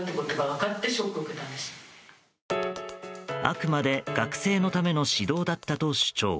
あくまで学生のための指導だったと主張。